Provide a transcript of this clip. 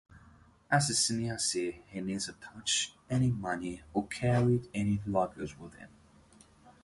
As a sannyasi, he neither touched any money nor carried any luggage with him.